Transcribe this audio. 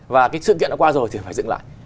và cái sự kiện nó qua rồi thì phải dựng lại